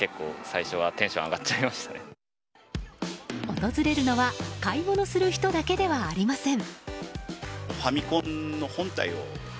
訪れるのは買い物する人だけではありません。